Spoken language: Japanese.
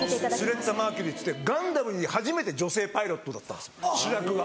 スレッタ・マーキュリーっつって『ガンダム』に初めて女性パイロットだったんです主役が。